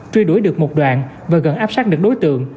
truy đuổi được một đoàn và gần áp sát được đối tượng